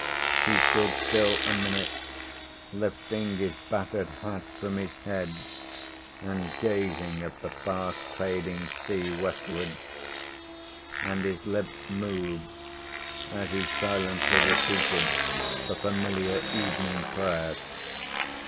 He stood still a minute, lifting his battered hat from his head and gazing at the fast fading sea westward, and his lips moved as he silently repeated the familiar evening prayer.